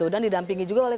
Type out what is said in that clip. dan didampingi juga oleh